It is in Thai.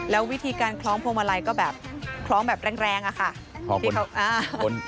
แล้ววิธีการคล้องพวงมาลัยก็แบบคล้องแบบแรงอะค่ะ